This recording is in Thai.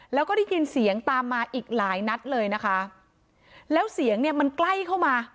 แล้วก็ได้ยินเสียงตามมาอีกหลายนัดเลยนะคะแล้วเสียงเนี่ยมันใกล้เข้ามา